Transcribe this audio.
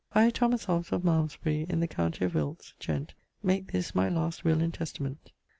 I, Thomas Hobbes, of Malmesbury, in the county of Wilts, gent. make this my last Will and Testament.